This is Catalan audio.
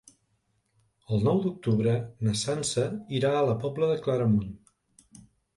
El nou d'octubre na Sança irà a la Pobla de Claramunt.